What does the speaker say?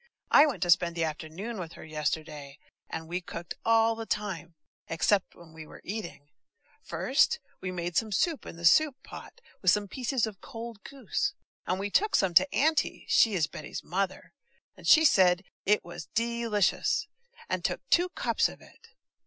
I went to spend the afternoon with her yesterday, and we cooked all the time, except when we were eating. First, we made soup in the soup pot, with some pieces of cold goose, and we took some to Auntie (she is Betty's mother), and she said it was de licious, and took two cups of it.